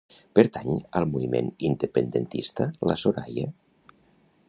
Pertany al moviment independentista la Soraya?